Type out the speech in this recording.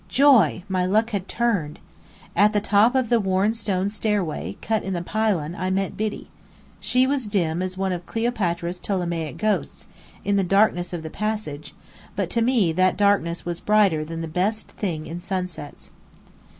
Joy! my luck had turned! At the top of the worn stone stairway, cut in the pylon, I met Biddy. She was dim as one of Cleopatra's Ptolemaic ghosts, in the darkness of the passage; but to me that darkness was brighter than the best thing in sunsets.